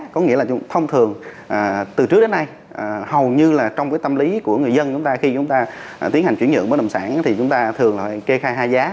có nghĩa là thông thường từ trước đến nay hầu như là trong cái tâm lý của người dân chúng ta khi chúng ta tiến hành chuyển nhượng bất động sản thì chúng ta thường lại kê khai hai giá